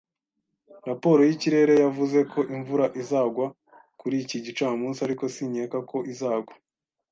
Raporo y’ikirere yavuze ko imvura izagwa kuri iki gicamunsi, ariko sinkeka ko izagwa.